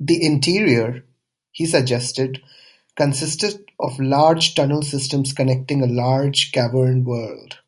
The interior, he suggested, consisted of large tunnel systems connecting a large cavern world.